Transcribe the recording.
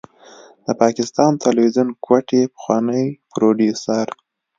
د پاکستان تلويزيون کوټې پخوانی پروديوسر